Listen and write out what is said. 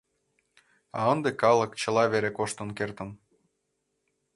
А ынде калык чыла вере коштын кертын.